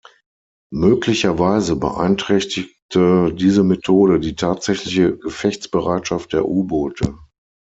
Möglicherweise beeinträchtigte diese Methode die tatsächliche Gefechtsbereitschaft der U-Boote.